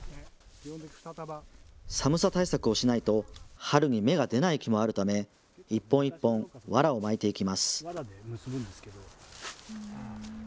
寒さ対策をしないと春に芽が出ない木もあるため一本一本、わらを巻いていきます。